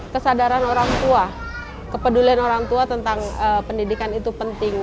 kesadaran orang tua kepedulian orang tua tentang pendidikan itu penting